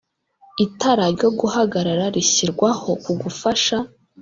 Itara ryo guhagarara rishyirirwaho kugufasha